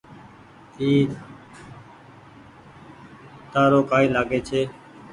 اي تآرو ڪآئي لآگي ڇي۔